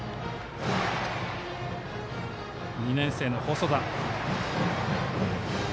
２年生の細田。